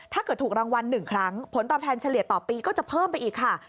ถูกรางวัล๑ครั้งผลตอบแทนเฉลี่ยต่อปีก็จะเพิ่มไปอีกค่ะ